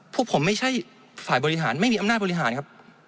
พวกผมไม่ใช่ฝ่ายบริหารไม่มีอำนาจบริหารครับ